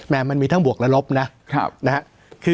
แม้มันมีทั้งบวกและลบนะครับ